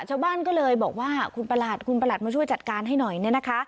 ชาวบ้านก็เลยบอกว่าคุณประหลัดคุณประหลัดมาช่วยจัดการให้หน่อยเนี่ยนะคะ